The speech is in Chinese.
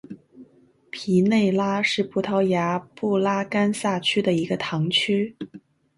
皮内拉是葡萄牙布拉干萨区的一个堂区。